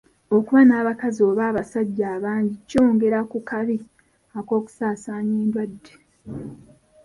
Okuba n'abakazi oba abasajja abangi kyongera ku kabi ak'okusaasaanya endwadde.